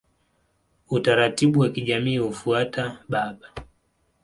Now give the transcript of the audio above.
Utaratibu wa kijamii hufuata baba.